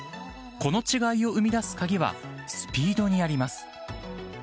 この違いを生み出す鍵はスピードにあります。